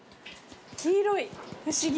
黄色い不思議。